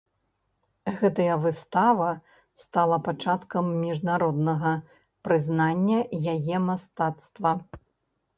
Гэтая выстава стала пачаткам міжнароднага прызнання яе мастацтва.